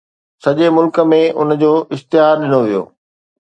سڄي ملڪ ۾ ان جو اشتهار ڏنو ويو.